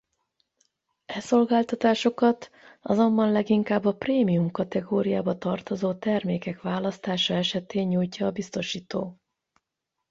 E szolgáltatásokat azonban leginkább a prémium kategóriába tartozó termékek választása esetén nyújtja a biztosító.